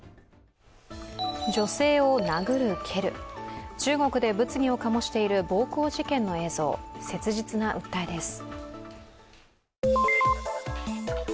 女性を殴る蹴る、中国で物議を醸している暴行事件の映像、切実な訴えです。